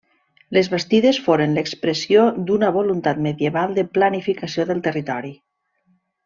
Les bastides foren l'expressió d'una voluntat medieval de planificació del territori.